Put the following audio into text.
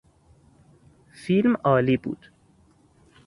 فیلم عالی بود.